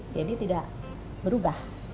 deddy tidak berubah